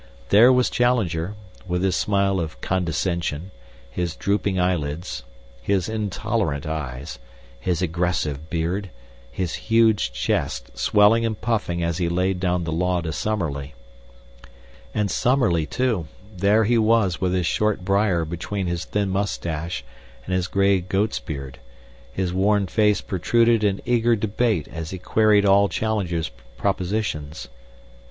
There was Challenger, with his smile of condescension, his drooping eyelids, his intolerant eyes, his aggressive beard, his huge chest, swelling and puffing as he laid down the law to Summerlee. And Summerlee, too, there he was with his short briar between his thin moustache and his gray goat's beard, his worn face protruded in eager debate as he queried all Challenger's propositions.